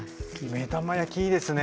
目玉焼きいいですね。